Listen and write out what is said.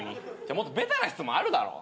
もっとベタな質問あるだろ。